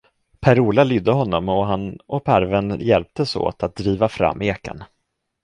Per Ola lydde honom, och han och parveln hjälptes åt att driva fram ekan.